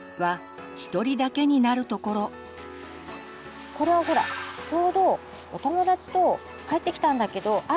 「ひ」はこれはちょうどお友達と帰ってきたんだけどあっ